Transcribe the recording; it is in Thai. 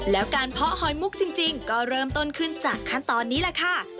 แล้วการเพาะหอยมุกจริงก็เริ่มต้นขึ้นจากขั้นตอนนี้แหละค่ะ